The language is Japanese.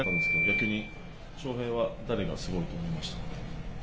翔平は誰がすごいと思いました？